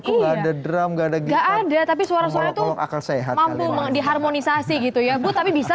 kok ada drum ga ada gitar tapi suara suara itu akal sehat diharmonisasi gitu ya bu tapi bisa